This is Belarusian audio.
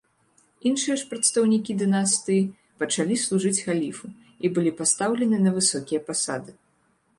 Іншыя ж прадстаўнікі дынастыі пачалі служыць халіфу і былі пастаўлены на высокія пасады.